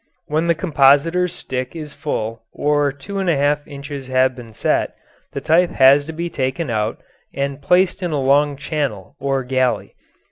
Then when the compositor's "stick" is full, or two and a half inches have been set, the type has to be taken out and placed in a long channel, or "galley."